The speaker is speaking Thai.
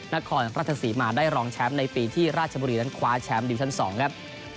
นครราชศรีมาได้รองแชมป์ในปีที่ราชบุรีนั้นคว้าแชมป์ดิวิชั่น๒ครับ